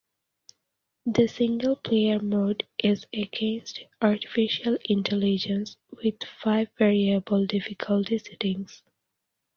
The single-player mode is against artificial intelligence with five variable difficulty settings.